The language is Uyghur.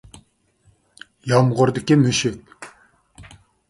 يامغۇردىكى مۈشۈك